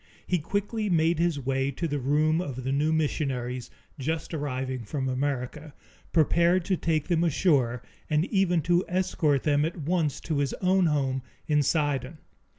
He quickly made his way to the room of the new missionaries, just arriving from America, prepared to take them ashore, and even to escort them at once to his own home in Sidon.